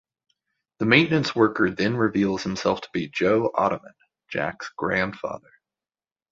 The maintenance worker then reveals himself to be Joe Ottoman, Jack's grandfather.